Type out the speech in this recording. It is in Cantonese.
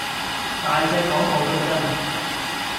大隻講，無句真